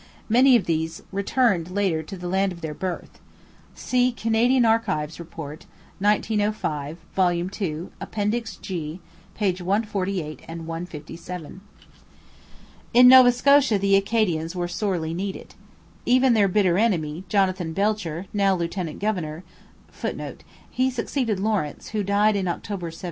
Many of these returned later to the land of their birth. See Canadian Archives Report, 1905, vol. ii, Appendix G, pp. 148 and 157.] In Nova Scotia the Acadians were sorely needed. Even their bitter enemy, Jonathan Belcher, now lieutenant governor, [Footnote: He succeeded Lawrence, who died in October 1760.